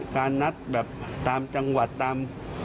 การนัดแบบตามจังหวัดตาม